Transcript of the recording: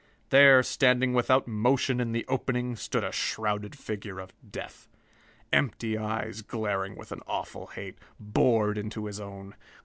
There, standing without motion in the opening, stood a shrouded figure of death. Empty eyes, glaring with awful hate, bored into his own.